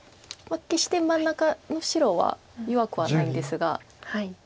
決して真ん中の白は弱くはないんですが。